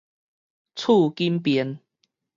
厝緊便